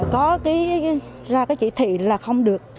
có ra cái chỉ thị là không được